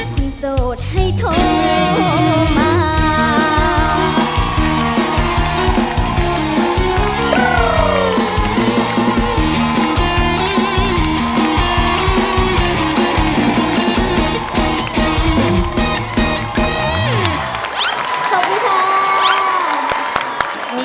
คนโสดให้โทรมา